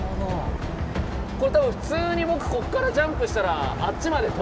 これ多分普通に僕こっからジャンプしたらあっちまで届きますよ。